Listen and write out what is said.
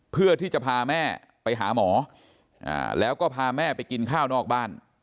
เพื่อที่จะพาแม่ไปหาหมอแล้วก็พาแม่ไปกินข้าวนอกบ้าน